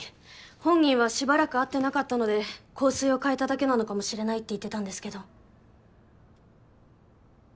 本人は「しばらく会ってなかったので香水を変えただけなのかもしれない」って言ってたんですけど。